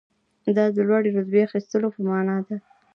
دا د لوړې رتبې اخیستلو په معنی ده.